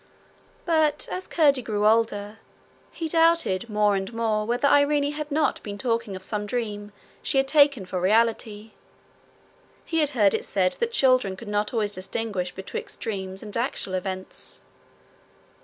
But as Curdie grew older, he doubted more and more whether Irene had not been talking of some dream she had taken for reality: he had heard it said that children could not always distinguish betwixt dreams and actual events.